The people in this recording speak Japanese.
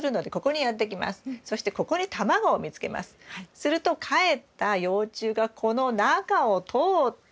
するとかえった幼虫がこの中を通って。